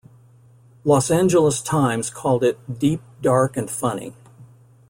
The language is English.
"Los Angeles Times" called it "deep, dark and funny".